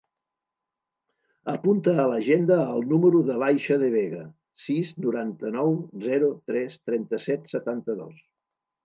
Apunta a l'agenda el número de l'Aisha De Vega: sis, noranta-nou, zero, tres, trenta-set, setanta-dos.